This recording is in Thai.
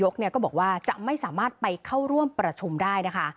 ก็บอกว่าจะไม่สามารถไปเข้าร่วมประชุมได้นะคะ